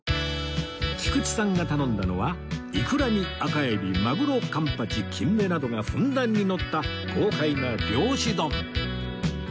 菊池さんが頼んだのはイクラに赤海老マグロカンパチキンメなどがふんだんにのった豪快な漁師丼